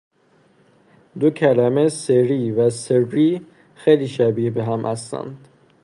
دو کلمه سری و سرّی خیلی شبیه به هم هستند